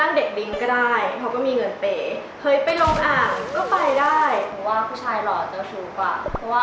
แฟนหนูหล่อนะ